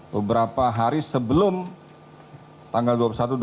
beberapa hari sebelum tanggal dua puluh satu dua puluh